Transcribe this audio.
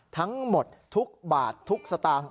ทั้งหมดทุกบาททุกสตางค์